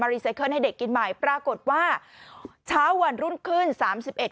รีไซเคิลให้เด็กกินใหม่ปรากฏว่าเช้าวันรุ่นขึ้นสามสิบเอ็ด